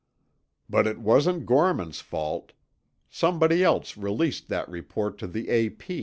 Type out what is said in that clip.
"But it wasn't Gorman's fault. Somebody else released that report to the A.